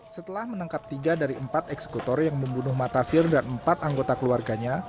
setelah menangkap tiga dari empat eksekutor yang membunuh matasir dan empat anggota keluarganya